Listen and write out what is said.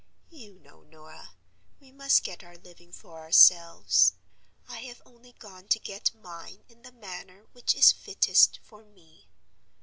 You know, Norah, we must get our living for ourselves; I have only gone to get mine in the manner which is fittest for me.